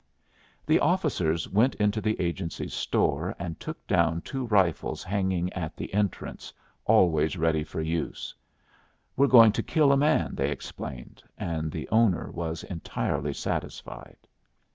The officers went into the agency store and took down two rifles hanging at the entrance, always ready for use. "We're going to kill a man," they explained, and the owner was entirely satisfied.